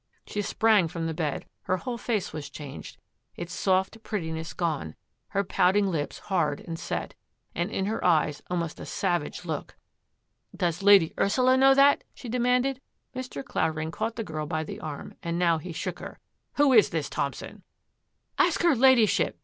She sprang from the bed ; her whole face was changed, — its soft prettiness gone; her pout ing lips hard and set, and in her eyes almost a sav age look. " Does Lady Ursula know that? " she demanded. Mr. Clavering caught the girl by the arm and now he shook her. " Who is this Thompson? "" Ask her Ladyship